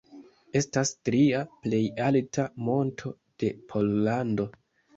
Estas tria plej alta monto de Pollando.